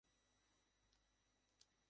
তিনি বিভিন্ন ঘটনায় অংশ নিয়েছেন।